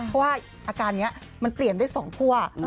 เพราะว่าอาการนี้มันเปลี่ยนได้๒คั่ว